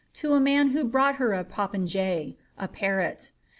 to a man who brought her a popinjay (a parrot).